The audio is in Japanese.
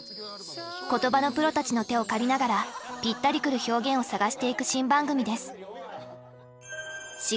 言葉のプロたちの手を借りながらぴったりくる表現を探していく新番組です